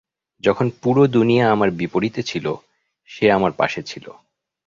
যখন পুরো দুনিয়া আমার বিপরীতে ছিল, সে আমার পাশে ছিল।